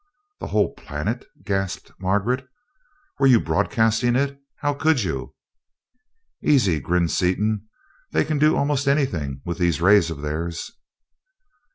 "The whole planet!" gasped Margaret. "Were you broadcasting it? How could you?" "Easy," grinned Seaton. "They can do most anything with these rays of theirs."